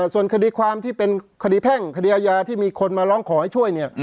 ส่วนคดีความที่เป็นคดีแพ่งคดีอาญาที่มีคนมาร้องขอให้ช่วยเนี่ย